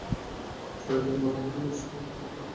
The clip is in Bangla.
শরীর দেখে মনে হয়েছে, তাকে বেশ কয়েক দিন খাবারও দেওয়া হয়নি।